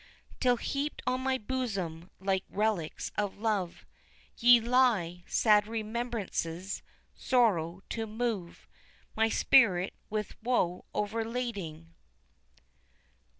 Till heaped on my bosom like relics of love Ye lie, sad remembrancers, sorrow to move My spirit with woe overlading.